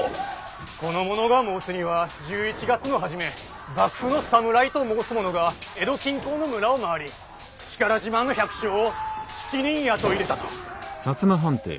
この者が申すには１１月の初め幕府の侍と申す者が江戸近郊の村を回り力自慢の百姓を７人雇い入れたと。